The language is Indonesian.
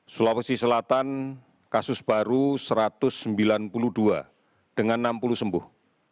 sulawesi selatan kasus baru satu ratus sembilan puluh dua dengan enam puluh sembuh